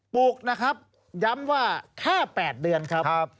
ปลูกนะครับย้ำว่าแค่๘เดือนครับ